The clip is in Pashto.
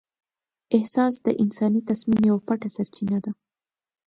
احساس د انساني تصمیم یوه پټه سرچینه ده.